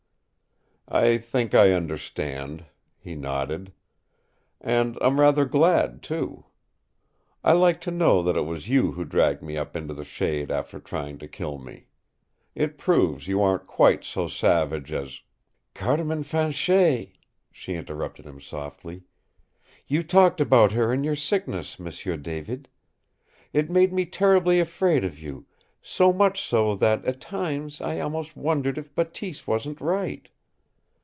"I think I understand," he nodded. "And I'm rather glad, too. I like to know that it was you who dragged me up into the shade after trying to kill me. It proves you aren't quite so savage as " "Carmin Fanchet," she interrupted him softly. "You talked about her in your sickness, M'sieu David. It made me terribly afraid of you so much so that at times I almost wondered if Bateese wasn't right.